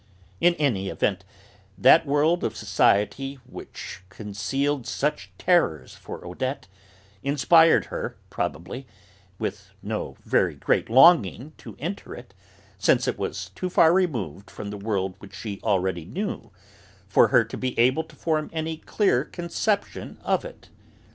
In any event, that world of society which concealed such terrors for Odette inspired her, probably, with no very great longing to enter it, since it was too far removed from the world which she already knew for her to be able to form any clear conception of it.